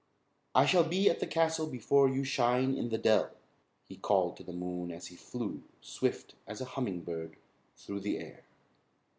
"I shall be at the castle before you shine in the dell," he called to the moon as he flew swift as a humming bird through the air.